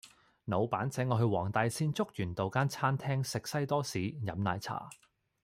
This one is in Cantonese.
老闆請我去黃大仙竹園道間餐廳食西多士飲奶茶